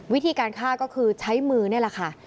วิธีการฆ่าก็คือใช้มือนี่แหละค่ะ